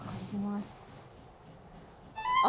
あ！